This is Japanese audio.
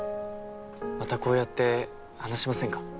またこうやって話しませんか？